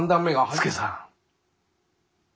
助さん。